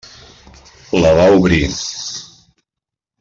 La va obrir.